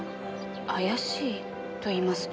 怪しいといいますと？